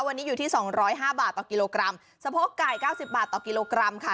วันนี้อยู่ที่สองร้อยห้าบาทต่อกิโลกรัมสะโพกไก่เก้าสิบบาทต่อกิโลกรัมค่ะ